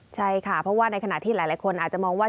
ใช่ค่ะเพราะว่าในขณะที่หลายคนอาจจะมองว่า